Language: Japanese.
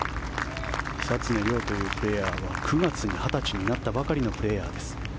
久常涼というプレーヤーは９月に２０歳になったばかりのプレーヤーです。